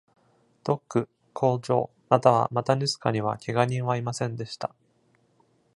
ドック、工場、またはマタヌスカには怪我人はいませんでした。